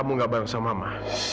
kamu gak bareng sama mah